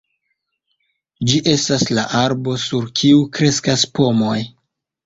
Ĝi estas la arbo sur kiu kreskas pomoj.